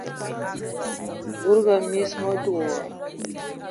Budugi mis, mə dug wa.